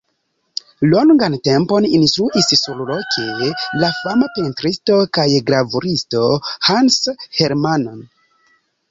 Longan tempon instruis surloke la fama pentristo kaj gravuristo Hans Hermann.